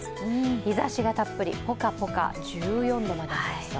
日ざしがたっぷりポカポカ１４度まで上がりそう。